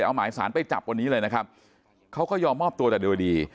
เอาหมายสารไปจับวันนี้เลยนะครับเขาก็ยอมมอบตัวแต่โดยดี